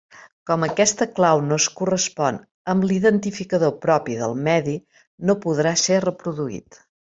Com aquesta clau no es correspon amb l'identificador propi del medi, no podrà ser reproduït.